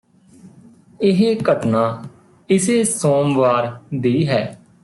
ਇਹ ਘਟਨਾ ਇਸੇ ਸੋਮਵਾਰ ਦੀ ਹੈ